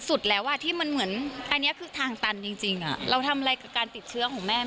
แต่สุดแล้วที่แบบที่มันเหมือนไหวลักษณะทางตันจริงเราทำอะไรการติดเชื้อเขาแหม่ไม่ได้